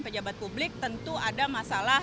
pejabat publik tentu ada masalah